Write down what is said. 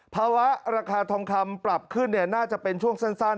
ภาวะราคาทองคำปรับขึ้นน่าจะเป็นช่วงสั้น